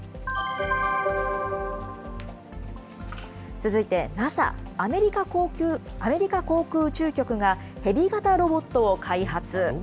続いてＮＡＳＡ・アメリカ航空宇宙局が、ロボット？